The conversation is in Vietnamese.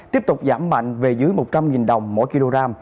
tiếp tục giảm mạnh về dưới một trăm linh đồng mỗi kg